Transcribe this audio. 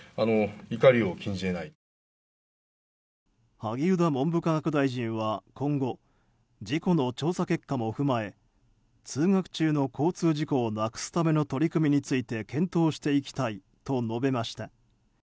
萩生田文部科学大臣は今後、事故の調査結果も踏まえ通学中の交通事故を無くすための取り組みについて検討していきたいと述べました。